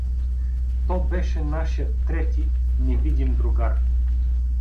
То беше нашият трети, невидим другар.